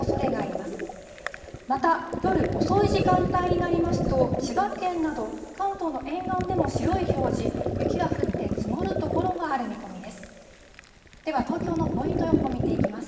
また、夜遅い時間帯になりますと、千葉県など、関東の沿岸でも白い表示、雪が降って積もる所がある見込みです。